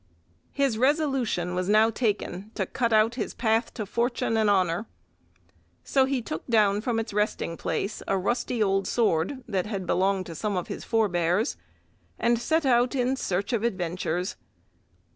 His resolution was now taken to cut out his path to fortune and honour. So he took down from its resting place a rusty old sword that had belonged to some of his forebears, and set out in search of adventures.